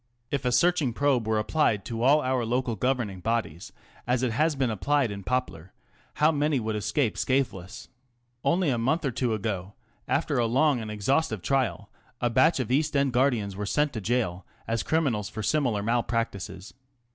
If a searching probe were applied to all our local govern ing bodies, as it has been applied in Poplar, how many would escape scatheless ? Only a month or two ago, after a long and exhaustive trial, a batch of East End guardians were sent to gaol as criminals for similar malpractices.